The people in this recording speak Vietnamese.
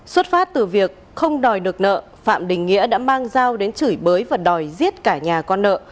xuất phát từ việc không đòi được nợ phạm đình nghĩa đã mang dao đến chửi bới và đòi giết cả nhà con nợ